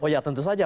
oh ya tentu saja